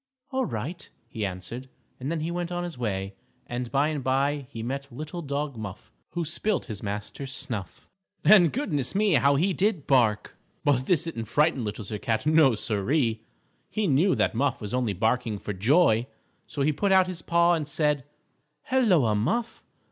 _" "All right," he answered, and then he went on his way, and by and by he met Little Dog Muff, who spilt his master's snuff. And, goodness me! How he did bark! But this didn't frighten Little Sir Cat. No, Siree. He knew that Muff was only barking for joy. So he put out his paw and said: "Helloa, Muff.